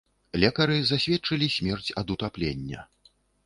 Лекары засведчылі смерць ад утаплення.